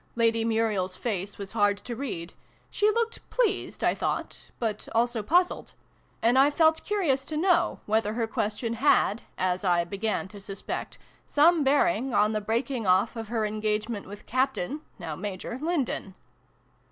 Lady Muriel's face was hard to read : she looked pleased, I thought, but also puzzled ; and I felt curious to know whether her question had, as I began to suspect, some bearing on the breaking off of her engagement with Captain (now Major) Lindon.